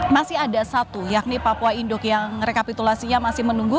masih ada satu yakni papua induk yang rekapitulasinya masih menunggu